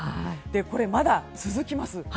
これ、まだ続きます。